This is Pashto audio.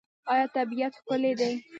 آیا طبیعت ښکلی دی؟